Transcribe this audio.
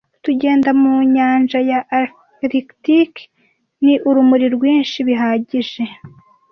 Tugenda mu nyanja ya arctique, ni urumuri rwinshi bihagije,